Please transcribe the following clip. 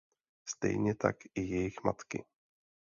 Stejně tak i jejich matky.